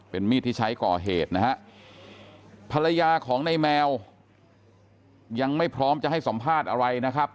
มีดที่ใช้ก่อเหตุนะฮะภรรยาของในแมวยังไม่พร้อมจะให้สัมภาษณ์อะไรนะครับ